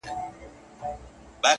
چا ته لا سکروټي یم سور اور یمه.